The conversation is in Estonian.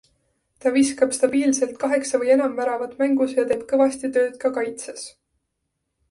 Ta viskab stabiilselt kaheksa või enam väravat mängus ja teeb kõvasti tööd ka kaitses.